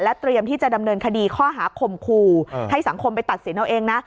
เตรียมที่จะดำเนินคดีข้อหาข่มขู่ให้สังคมไปตัดสินเอาเองนะ